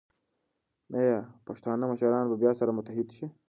ایا پښتانه مشران به بیا سره متحد شي؟